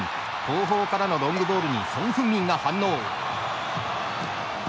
後方からのロングボールにソン・フンミンが反応。